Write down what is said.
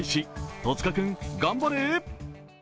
戸塚君、頑張れ！